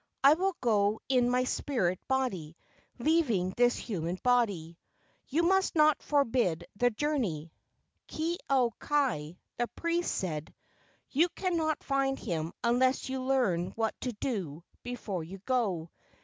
I will go in my spirit body, leav¬ ing this human body. You must not forbid the journey." Ke au kai, the priest, said: "You can¬ not find him unless you learn what to do before you go.